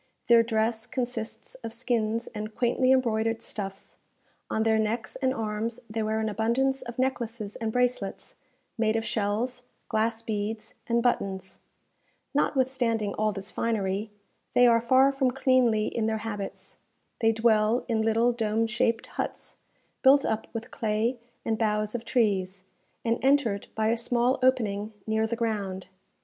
Their dress consists of skins and quaintly embroidered stuffs; on their necks and arms they wear an abundance of necklaces and bracelets, made of shells, glass beads, and buttons. Notwithstanding all this finery, they are far from cleanly in their habits. They dwell in little dome shaped huts, built up with clay and boughs of trees, and entered by a small opening near the ground.